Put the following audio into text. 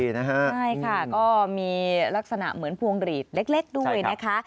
ใช่ค่ะก็มีลักษณะเหมือนพวงหลีดเล็กด้วยนะคะ